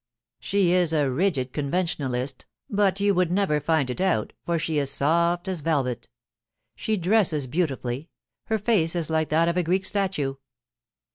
She is a rigid conventionalist, but you would never find it out, for she is soft as velvet She dresses beautifully, her face is like that of a Greek statue.